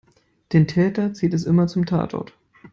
Den Täter zieht es immer zum Tatort.